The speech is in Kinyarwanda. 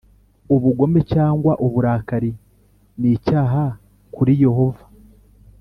Ubugome cyangwa uburakari n,icyaha kuri yohova.